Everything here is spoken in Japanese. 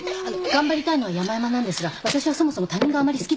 頑張りたいのはやまやまなんですが私はそもそも他人があまり好きではないのです。